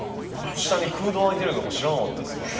下に空洞あいてるのも知らなかったですからね。